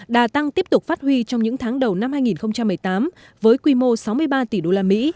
đã tăng tiếp tục phát huy trong những tháng đầu năm hai nghìn một mươi tám với quy mô sáu mươi ba tỷ usd